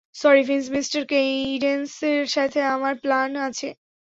Sorry, Finch Mister, কেইডেন্সের সাথে আমার প্ল্যান আছে।